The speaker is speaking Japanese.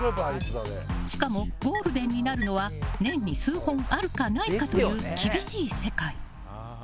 しかも、ゴールデンになるのは年に数本あるかないかという厳しい世界。